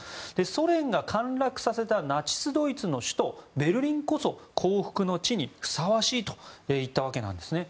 ソ連が陥落させたナチスドイツの首都ベルリンこそ降伏の地にふさわしいと言ったわけなんですね。